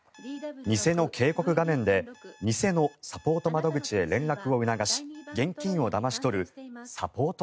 偽の警告画面で偽のサポート窓口へ連絡を促し現金をだまし取るサポート